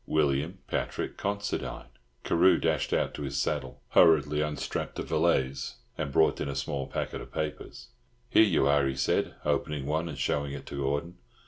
"William Patrick Considine." Carew dashed out to his saddle, hurriedly unstrapped a valise, and brought in a small packet of papers. "Here you are," he said, opening one, and showing it to Gordon.